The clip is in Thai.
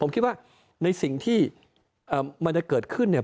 ผมคิดว่าในสิ่งที่มันจะเกิดขึ้นเนี่ย